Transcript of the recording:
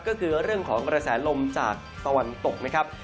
ก็คือเรื่องของกระแสลมจากตะวันตกนะครับ